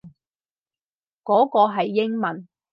嗰個係英文